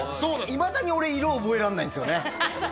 いまだに俺色覚えらんないんですよね